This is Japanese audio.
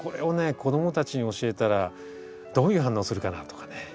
子供たちに教えたらどういう反応するかなとかね。